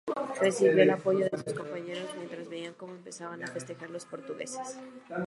Recibió el apoyo de sus compañeros, mientras veía cómo empezaban a festejar los portugueses.